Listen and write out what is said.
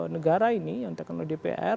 negara ini yang ditekan oleh dpr